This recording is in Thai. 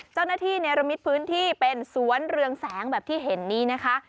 เจ้าหน้าที่เนรมิตพื้นที่เป็นสวนเรืองแสงแบบที่เห็นนี่นะคะ